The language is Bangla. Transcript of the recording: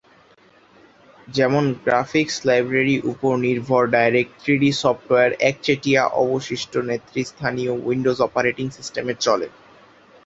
যেমন গ্রাফিক্স লাইব্রেরি উপর নির্ভর ডাইরেক্ট থ্রিডি, সফ্টওয়্যার একচেটিয়া অবশিষ্ট নেতৃস্থানীয় উইন্ডোজ অপারেটিং সিস্টেম এ চলে।